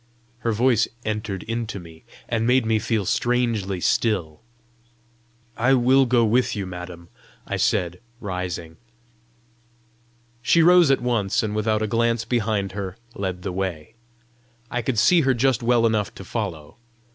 Her voice entered into me, and made me feel strangely still. "I will go with you, madam," I said, rising. She rose at once, and without a glance behind her led the way. I could see her just well enough to follow.